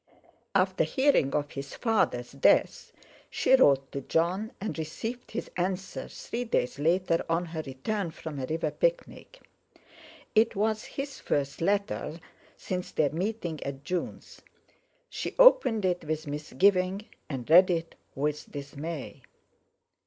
After hearing of his father's death, she wrote to Jon, and received his answer three days later on her return from a river picnic. It was his first letter since their meeting at June's. She opened it with misgiving, and read it with dismay.